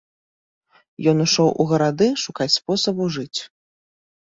Ён ішоў у гарады шукаць спосабу жыць.